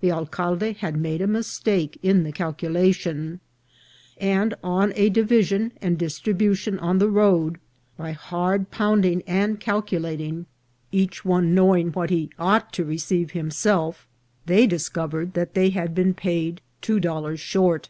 The alcalde had made a mistake in the calculation ; and, on a division and distribution on the road, by hard pounding and calculating, each one 40 460 INCIDENTS OF TRAVEL. knowing what he ought to receive himself, they discov ered that they had been paid two dollars short.